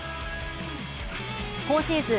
今シーズン